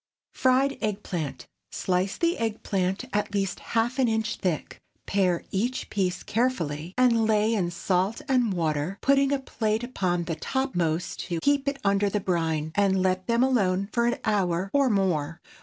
FRIED EGG PLANT. ✠ Slice the egg plant at least half an inch thick; pare each piece carefully, and lay in salt and water, putting a plate upon the topmost to keep it under the brine, and let them alone for an hour or more.